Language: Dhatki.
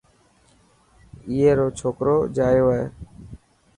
اي رو ڇوڪرو جايو هي.